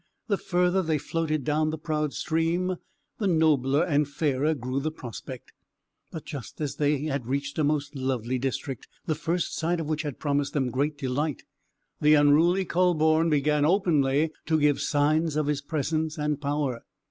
The further they floated down the proud stream the nobler and fairer grew the prospect. But, just as they had reached a most lovely district, the first sight of which had promised them great delight, the unruly Kühleborn began openly to give signs of his presence and power.